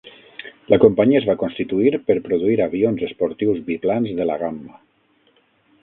La companyia es va constituir per produir avions esportius biplans de la gamma.